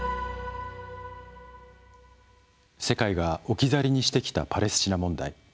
世界が置き去りにしてきたパレスチナ問題。